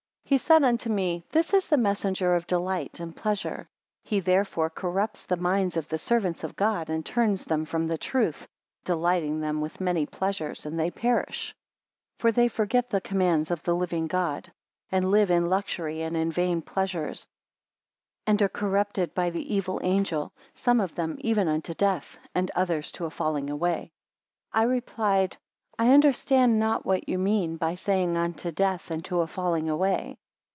He said unto me, this is the messenger of delight and pleasure. He therefore corrupts the minds of the servants of God, and turns them from the truth, delighting them with many pleasures, and they perish. 11 For they forget the commands of the living God, and live in luxury and in vain pleasures, and are corrupted by the evil angel, some of them even unto death; and others to a falling away. 12 I replied; I understand not what you mean, by saying unto death, and to a falling away.